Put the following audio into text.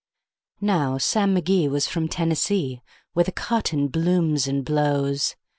Now Sam McGee was from Tennessee, where the cotton blooms and blows.